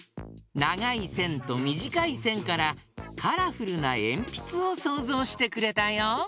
ながいせんとみじかいせんからカラフルなえんぴつをそうぞうしてくれたよ。